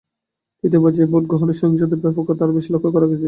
তৃতীয় পর্যায়ের ভোট গ্রহণে সহিংসতার ব্যাপকতা আরও বেশি লক্ষ করা গেছে।